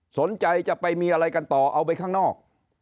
สนใจจะไปมีอะไรกันต่อเอาไปข้างนอก